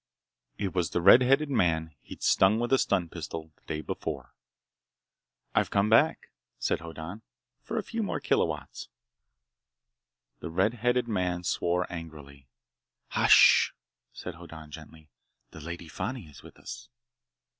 It was the red headed man he'd stung with a stun pistol the day before. "I've come back," said Hoddan, "for a few more kilowatts." The red headed man swore angrily. "Hush!" said Hoddan gently. "The Lady Fani is with us."